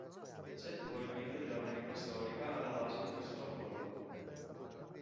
C'è probabilmente della verità storica alla base di questo rapporto.